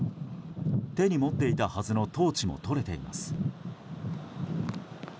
手に持っていたはずのトーチも取れています。